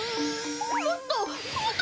もっと！